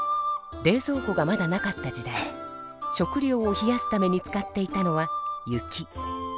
冷ぞう庫がまだなかった時代食料を冷やすために使っていたのは雪。